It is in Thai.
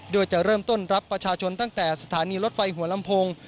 โดยจะเริ่มต้นรับประชาชนตั้งแต่สถานีรถไฟหัวลำโพง